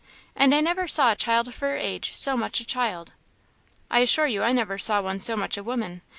And I never saw a child of her age so much a child." "I assure you I never saw one so much a woman.